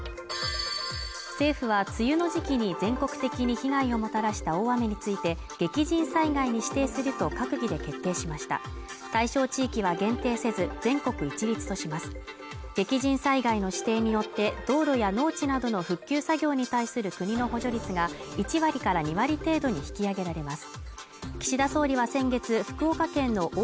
政府は梅雨の時期に全国的に被害をもたらした大雨について激甚災害に指定すると閣議で決定しました対象地域は限定せず全国一律とします激甚災害の指定によって道路や農地などの復旧作業に対する国の補助率が１割から２割程度に引き上げられます